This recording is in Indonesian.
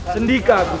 sendika agusti prabu